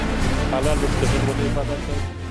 حلال رزق ګټل ولې عبادت دی؟